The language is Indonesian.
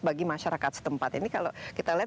bagi masyarakat setempat ini kalau kita lihat